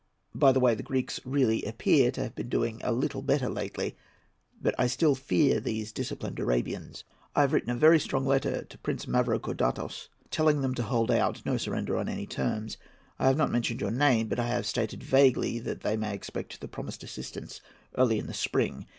By the way, the Greeks really appear to have been doing a little better lately; but I still fear these disciplined Arabians. I have written a very strong letter to Prince Mavrocordatos, telling them to hold out:—no surrender on any terms. I have not mentioned your name; but I have stated vaguely that they may expect the promised assistance early in the spring.